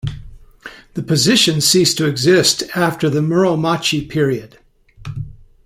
The position ceased to exist after the Muromachi period.